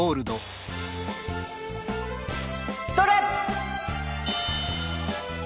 ストレッ！